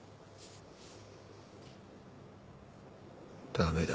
駄目だ。